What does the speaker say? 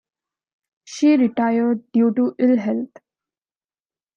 She retired due to ill health.